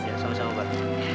ya sama sama mbak